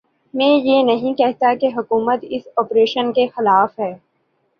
میں یہ نہیں کہتا کہ حکومت اس آپریشن کے خلاف ہے۔